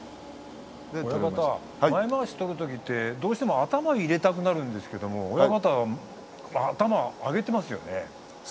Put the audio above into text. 前まわしを取るときってどうしても頭を入れたくなるんですが親方は頭を上げていますね。